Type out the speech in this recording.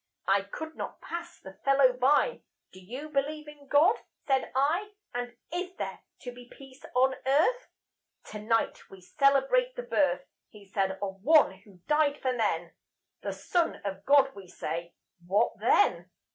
I could not pass the fellow by. "Do you believe in God?" said I; "And is there to be Peace on Earth?" "Tonight we celebrate the birth," He said, "of One who died for men; The Son of God, we say. What then?